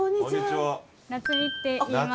七海っていいます。